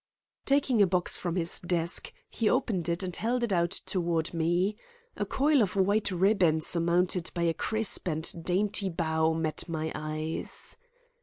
Taking a box from his desk, he opened it and held it out toward me. A coil of white ribbon surmounted by a crisp and dainty bow met my eyes.